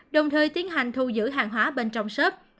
đồng thời tiến hành thu giữ hàng hóa bên trong sớp